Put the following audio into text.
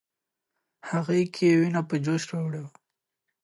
د هغې ږغ ويني په جوش راوړلې.